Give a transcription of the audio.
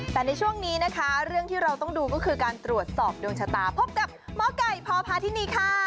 แต่ในช่วงนี้นะคะเรื่องที่เราต้องดูก็คือการตรวจสอบดวงชะตาพบกับหมอไก่พพาธินีค่ะ